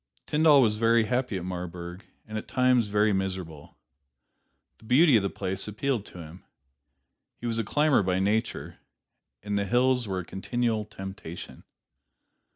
Tyndall was very happy at Marburg, and at times very miserable. The beauty of the place appealed to him. He was a climber by nature, and the hills were a continual temptation.